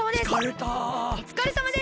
おつかれさまです！